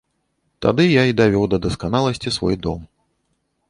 Тады я і давёў да дасканаласці свой дом.